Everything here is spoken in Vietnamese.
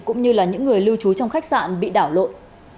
cũng như là những người lưu trú trong khách sạn bị đảo lộn